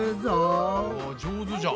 上手じゃん。